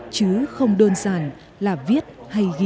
chứ không đơn giản là viết hay ghi chép